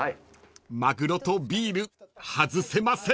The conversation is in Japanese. ［マグロとビール外せません］